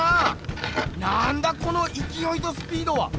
なんだこのいきおいとスピードは！